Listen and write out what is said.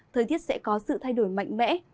thời tiết sẽ có sự thay đổi mạnh mẽ